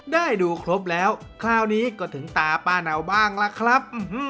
ได้ดูครบแล้วคราวนี้ก็ถึงตาป้าเนาบ้างล่ะครับ